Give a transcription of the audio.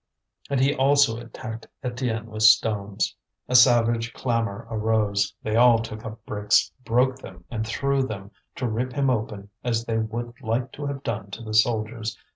And he also attacked Étienne with stones. A savage clamour arose; they all took up bricks, broke them, and threw them, to rip him open, as they would like to have done to the soldiers.